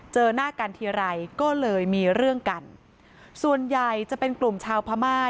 เจอหน้ากันทีไรก็เลยมีเรื่องกันส่วนใหญ่จะเป็นกลุ่มชาวพม่า